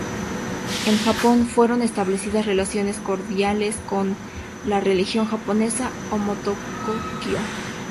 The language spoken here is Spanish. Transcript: En Japón, fueron establecidas relaciones cordiales con la religión japonesa Omoto-kyo.